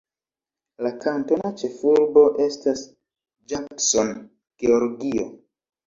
La kantona ĉefurbo estas Jackson, Georgio.